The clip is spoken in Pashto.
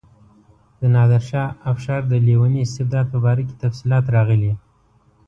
د نادرشاه افشار د لیوني استبداد په باره کې تفصیلات راغلي.